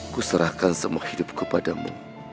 ku serahkan semua hidup kepadamu